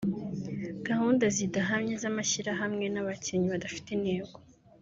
gahunda zidahamye z’amashyirahamwe n’abakinnyi badafite intego